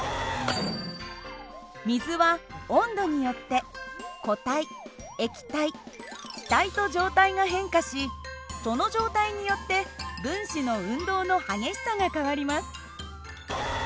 水は温度によって固体液体気体と状態が変化しその状態によって分子の運動の激しさが変わります。